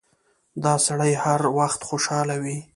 دا سړی هر وخت خوشاله وي.